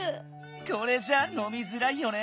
これじゃあのみづらいよね。